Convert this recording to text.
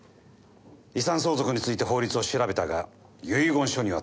遺産相続について法律を調べたが遺言書には到底納得出来ない。